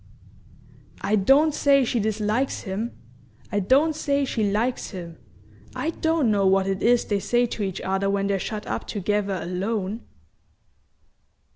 "I don't say she dislikes him! I don't say she likes him; I don't know what it is they say to each other when they're shut up together alone."